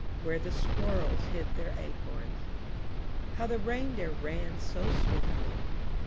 Where the squirrels hid their acorns. How the reindeer ran so swiftly.